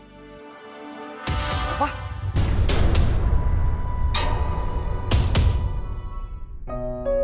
de deboss heartthrob kan apa kali gitu rude